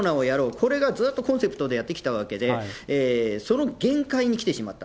これがずっとコンセプトでやってきたわけで、その限界に来てしまった。